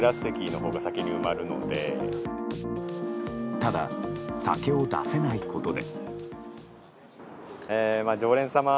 ただ、酒を出せないことで。